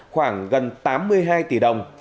khoảng gần tám mươi hai tỷ đồng